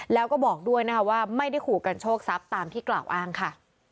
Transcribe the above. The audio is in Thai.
แล้วก็บอกด้วยนะคะว่าไม่ได้ขู่กันโชคทรัพย์ตามที่กล่าวอ้างค่ะ